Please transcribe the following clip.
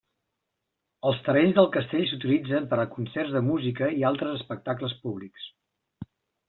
Els terrenys del castell s'utilitzen per a concerts de música i altres espectacles públics.